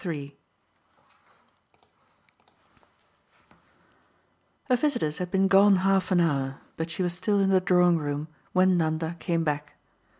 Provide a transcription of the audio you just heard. III Her visitors had been gone half an hour, but she was still in the drawing room when Nanda came back.